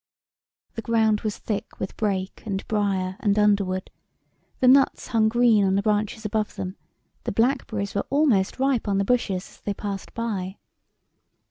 The ground was thick with brake and briar and underwood, the nuts hung green on the branches above them, the blackberries were almost ripe on the bushes as they passed by.